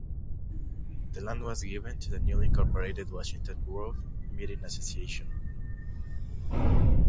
The land was given to the newly incorporated Washington Grove Meeting Association.